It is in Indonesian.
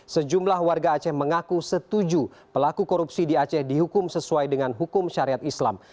sejumlah warga aceh mengaku setuju pelaku korupsi di aceh dihukum sesuai dengan hukum syariat islam